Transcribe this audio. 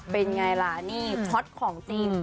เป็นไงล่ะนี่ฮอตของจริง